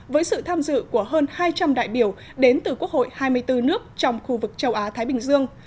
với sự tham dự của hơn hai trăm linh đại biểu đến từ quốc hội hai mươi bốn nước trong khu vực châu á thái bình dương